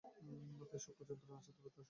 মাথায় সূক্ষ্ম যন্ত্রণা আছে, তবে তা সহনীয়।